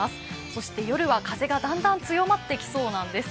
そして夜は風がだんだん強まってきそうなんです。